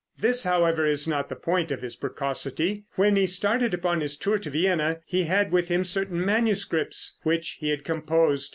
This, however, is not the point of his precocity. When he started upon his tour to Vienna, he had with him certain manuscripts, which he had composed.